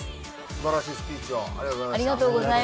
素晴らしいスピーチをありがとうございました。